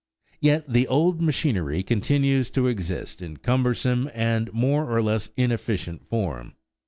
Yet the old machinery continues to exist in cumbersome and more or less inefficient form.